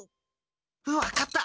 分かった！